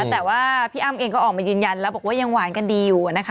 แต่ว่าพี่อ้ำเองก็ออกมายืนยันแล้วบอกว่ายังหวานกันดีอยู่นะคะ